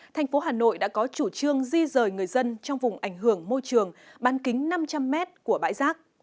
thành phố hà nội đã có chủ trương di rời người dân trong vùng ảnh hưởng môi trường ban kính năm trăm linh m của bãi rác